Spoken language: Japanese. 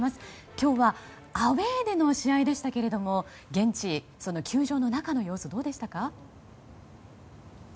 今日はアウェーでの試合でしたけれども現地球場の中の様子どうでしたか？